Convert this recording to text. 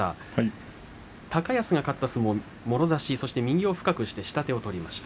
高安が勝った相撲はもろ差し右を深くして下手を取りました。